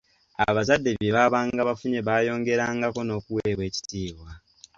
Abazadde bye baabanga bafunye baayongerangako n'okuweebwa ekitiibwa.